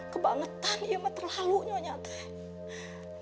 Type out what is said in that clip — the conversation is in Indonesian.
kebangetan iya mah terlalu nyonyate